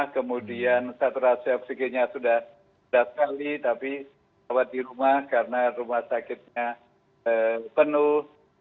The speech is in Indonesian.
kemudian saturasi fck nya sudah sepuluh kali tapi dirawat di rumah karena rumah sakitnya penuh